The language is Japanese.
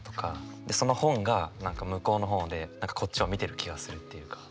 でその本が向こうの方でこっちを見てる気がするっていうか。